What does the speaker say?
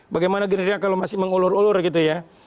bagaimana gerindra kalau masih mengulur ulur gitu ya